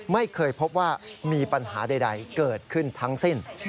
ไม่เคยพบว่ามีปัญหาใดเกิดขึ้นทั้งสิ้น